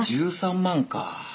１３万か。